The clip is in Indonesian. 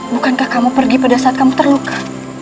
bukankah kamu pergi pada saat kamu terluka